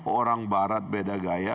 orang barat beda gaya